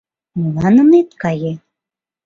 — Молан ынет кае?